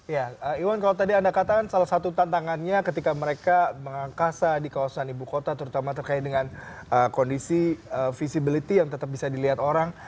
ya iwan kalau tadi anda katakan salah satu tantangannya ketika mereka mengangkasa di kawasan ibu kota terutama terkait dengan kondisi visibility yang tetap bisa dilihat orang